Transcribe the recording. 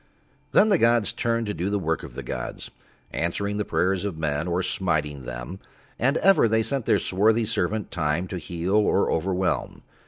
Then the gods turned to do the work of the gods, answering the prayers of men or smiting them, and ever They sent Their swarthy servant Time to heal or overwhelm.